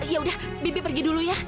ya udah bibi pergi dulu ya